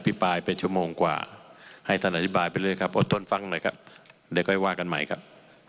อภิพายเป็นชั่วโมงกว่าให้ท่านอธิบายไปเลยนะครับโอด้ทนฟังหน่อยนะครับ